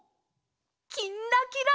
「きんらきら」。